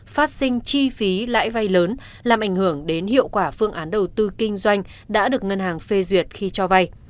phát sinh chi phí lãi vay lớn làm ảnh hưởng đến hiệu quả phương án đầu tư kinh doanh đã được ngân hàng phê duyệt khi cho vay